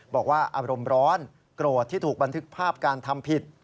บอกว่าอารมณ์ร้อนโกรธที่ถูกบันทึกภาพการทำผิด